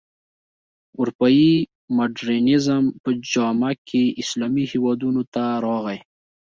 اروپايي مډرنیزم په جامه کې اسلامي هېوادونو ته راغی.